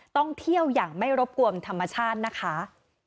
ท่องเที่ยวอย่างไม่รบกวนธรรมชาตินะคะ